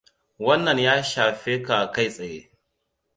Wannan ya shafe ka kai tsaye.